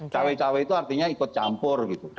cawe cawe itu artinya ikut campur gitu